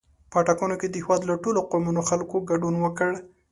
په ټاکنو کې د هېواد له ټولو قومونو خلکو ګډون وکړ.